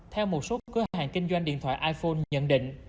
theo một số cửa hàng kinh doanh điện thoại iphone nhận định